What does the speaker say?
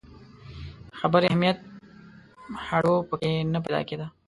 خبري اهمیت هډو په کې نه پیدا کېده.